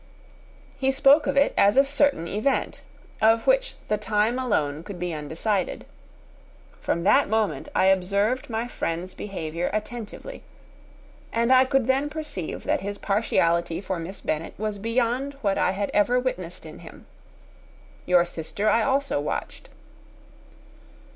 He spoke of it as a certain event, of which the time alone could be undecided. From that moment I observed my friend's behaviour attentively; and I could then perceive that his partiality for Miss Bennet was beyond what I had ever witnessed in him. Your sister I also watched.